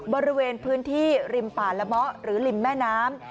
บริเวณพื้นที่ริมป่าละเมาะหรือริมแม่น้ำ